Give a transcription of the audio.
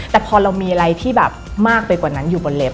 แต่พอเรามีอะไรที่แบบมากไปกว่านั้นอยู่บนเล็บ